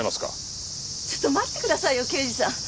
ちょっと待ってくださいよ刑事さん。